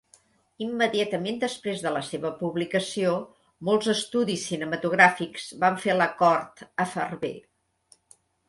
Immediatament després de la seva publicació, molts estudis cinematogràfics van fer la cort a Ferber.